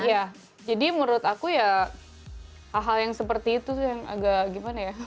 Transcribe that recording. iya jadi menurut aku ya hal hal yang seperti itu yang agak gimana ya